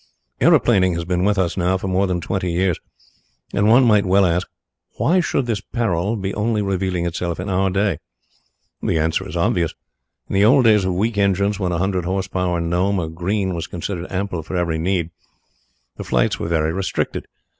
"Aeroplaning has been with us now for more than twenty years, and one might well ask: Why should this peril be only revealing itself in our day? The answer is obvious. In the old days of weak engines, when a hundred horse power Gnome or Green was considered ample for every need, the flights were very restricted.